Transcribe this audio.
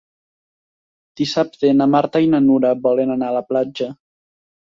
Dissabte na Marta i na Nura volen anar a la platja.